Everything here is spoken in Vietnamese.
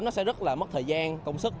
nó sẽ rất là mất thời gian công sức